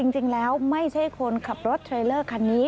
จริงแล้วไม่ใช่คนขับรถเทรลเลอร์คันนี้